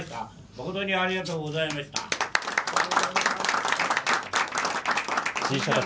誠にありがとうございました。